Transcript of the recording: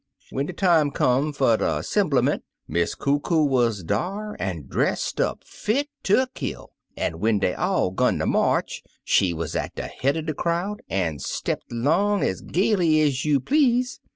*'When de time come fer de 'semblement, Miss Coo Coo wuz dar, an' dressed up fit ter kill; an' when dey all 'gun ter march, she wuz at de head er de crowd, an' stepped along ez gaily ez you please.